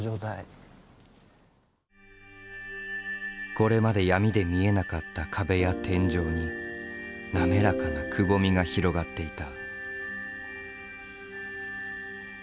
これまで闇で見えなかった壁や天井に滑らかなくぼみが広がっていた。